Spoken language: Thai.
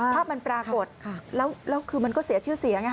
ภาพมันปรากฏแล้วคือมันก็เสียชื่อเสียง